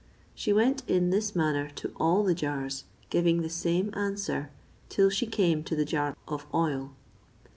She went in this manner to all the jars, giving the same answer, till she came to the jar of oil.